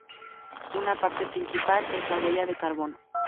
Una parte principal es la huella de carbono.